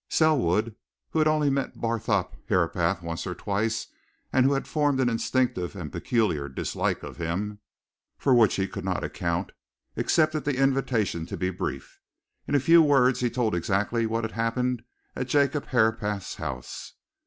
Selwood, who had only met Barthorpe Herapath once or twice, and who had formed an instinctive and peculiar dislike to him, for which he could not account, accepted the invitation to be brief. In a few words he told exactly what had happened at Jacob Herapath's house.